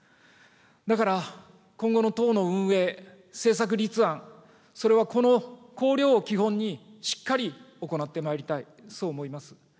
だから今後の党の運営、政策立案、それはこの綱領を基本に、しっかり行ってまいりたい、そう思います。